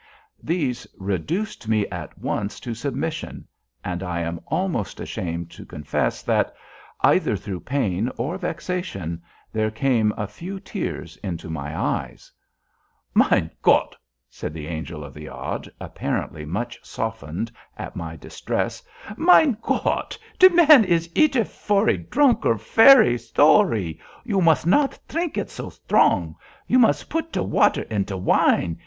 These reduced me at once to submission, and I am almost ashamed to confess that, either through pain or vexation, there came a few tears into my eyes. "Mein Gott!" said the Angel of the Odd, apparently much softened at my distress; "mein Gott, te man is eder ferry dronk or ferry zorry. You mos not trink it so strong—you mos put te water in te wine.